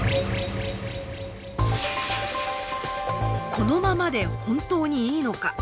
このままで本当にいいのか？